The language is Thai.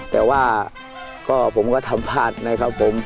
แต่ว่าผมก็ทำพลาดนะครับผม